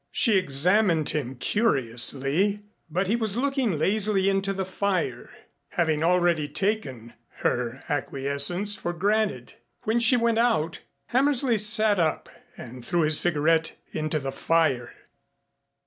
She examined him curiously, but he was looking lazily into the fire, having already taken her acquiescence for granted. When she went out, Hammersley sat up and threw his cigarette into the fire.